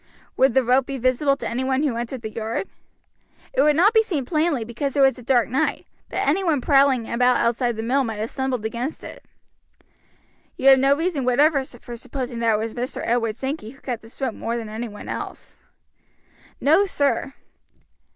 "Would the rope be visible to any one who entered the yard?" "It would not be seen plainly, because it was a dark night; but any one prowling about outside the mill might have stumbled against it." "You have no reason whatever for supposing that it was Mr. Edward Sankey who cut this rope more than anyone else?" "No, sir."